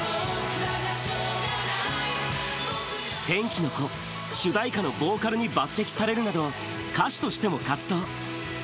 天気の子、主題歌のボーカルに抜てきされるなど、歌手としても活動。